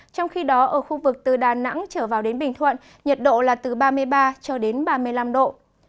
trong khi đó ở khu vực từ đà nẵng trở vào đến bình thuận nhiệt độ là từ ba mươi ba cho đến ba mươi năm độ